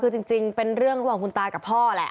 คือจริงเป็นเรื่องระหว่างคุณตากับพ่อแหละ